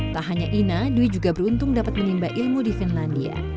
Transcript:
tak hanya ina dwi juga beruntung dapat menimba ilmu di finlandia